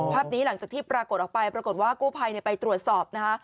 ภาพนี้หลังจากที่ปรากฏออกไปปรากฏว่ากู้ภัยไปตรวจสอบนะคะ